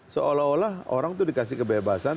seolah olah orang itu dikasih kebebasan